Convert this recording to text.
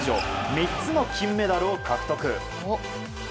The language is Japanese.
３つの金メダルを獲得。